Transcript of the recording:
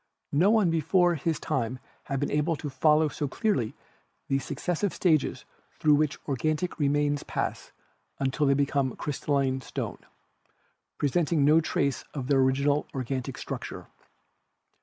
No one before his day had been able to follow so clearly the successive stages through which organic re mains pass until they become crystalline stone, presenting no trace of their original organic structure.